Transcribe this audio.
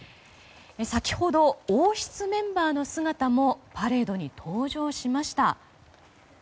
先ほど、王室メンバーの姿もパレードに登場しました。